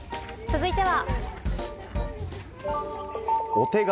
続いては。